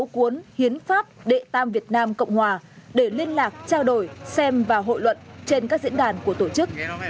cuốn hiến pháp đệ tam việt nam cộng hòa để liên lạc trao đổi xem và hội luận trên các diễn đàn của tổ chức